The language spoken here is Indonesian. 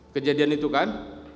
kejadian itu kan